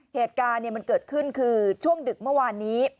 เหตุการณ์มันเกิดขึ้นคือช่วงดึกเมื่อวานนี้